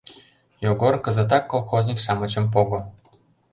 Йогор, кызытак колхозник-шамычым пого.